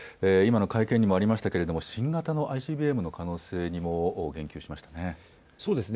今の会見にもありましたが新型のＩＣＢＭの可能性にも言及しましたね。